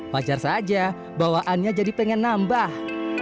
wajar saja bawaannya jadi pengen nambah